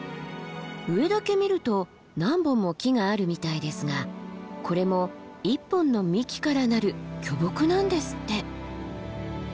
上だけ見ると何本も木があるみたいですがこれも１本の幹からなる巨木なんですって。